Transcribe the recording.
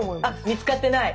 見つかってない。